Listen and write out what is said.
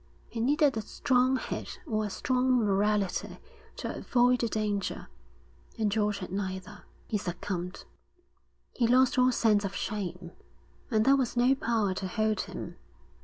It needed a strong head or a strong morality to avoid the danger, and George had neither. He succumbed. He lost all sense of shame, and there was no power to hold him.